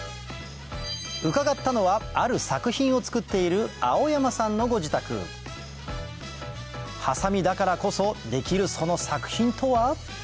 伺ったのはある作品を作っている蒼山さんのご自宅ハサミだからこそできるその作品とは？